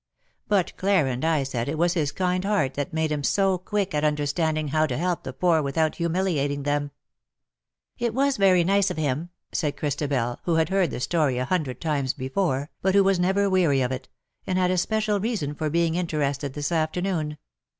But Clara and I said it was his kind heart that made him so quick at understanding how to help the poor without humiliating them.^ *" It was very nice of him," said Christabel, who had heard the story a hundred times before, but who was never weary of it, and had a special reason for being interested this afternoon.